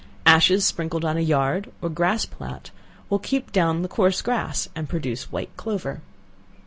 Ashes sprinkled on a yard, or grass plat, will keep down the coarse grass, and produce white clover.